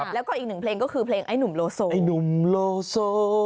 แล้วก็อีกหนึ่งเพลงก็คือเพลงไอ้หนุ่มโลโซ